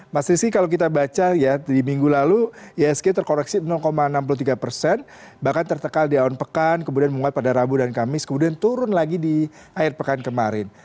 mas rizky kalau kita baca ya di minggu lalu ihsg terkoreksi enam puluh tiga persen bahkan tertekal di awan pekan kemudian menguat pada rabu dan kamis kemudian turun lagi di air pekan kemarin